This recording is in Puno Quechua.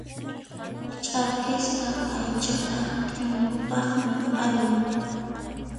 Ch'arkisqa aychaqa t'impupaqmi allin.